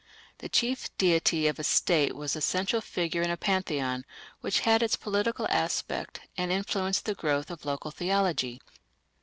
The chief deity of a state was the central figure in a pantheon, which had its political aspect and influenced the growth of local theology.